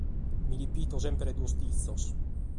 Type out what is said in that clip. Mi repito semper duos ditzos.